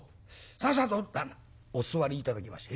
「さあさあどうぞ旦那お座り頂きまして。